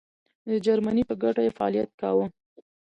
د جرمني په ګټه یې فعالیت کاوه.